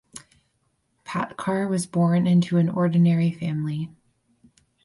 Patkar was born into an ordinary family.